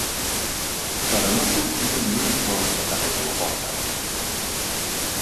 Però no sortia ni un so de darrere la porta.